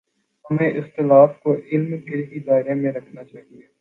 ہمیں اختلاف کو علم ہی کے دائرے میں رکھنا چاہیے۔